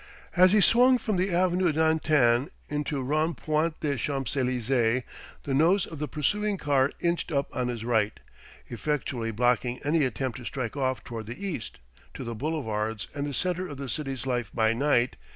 As he swung from the avenue d'Antin into Rond Point des Champs Élysées, the nose of the pursuing car inched up on his right, effectually blocking any attempt to strike off toward the east, to the Boulevards and the centre of the city's life by night.